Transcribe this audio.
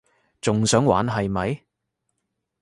仲想玩係咪？